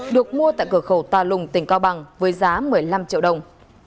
được mua tại cửa khẩu tà lùng tỉnh cao bằng với giá một mươi năm triệu đồng